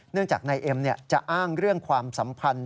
จากนายเอ็มจะอ้างเรื่องความสัมพันธ์